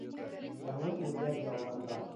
Яңы үрҙәр яуларға.